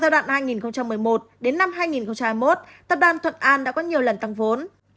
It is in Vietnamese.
giai đoạn hai nghìn một mươi một đến năm hai nghìn hai mươi một tập đoàn thuận an đã có nhiều lần tăng vốn